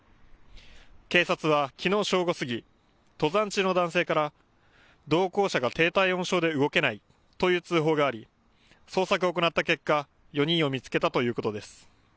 警察はきのう正午過ぎ登山中の男性から同行者が低体温症で動けないという通報があり捜索を行った結果、４人を見つけたということです。